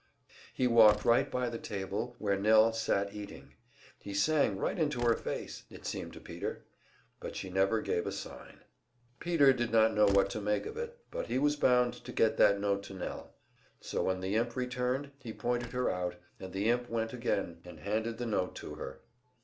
He walked right by the table where Nell sat eating; he sang right into her face, it seemed to Peter; but she never gave a sign. Peter did not know what to make of it, but he was bound to get that note to Nell. So when the imp returned, he pointed her out, and the imp went again and handed the note to her.